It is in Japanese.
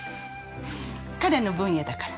彼の分野だから。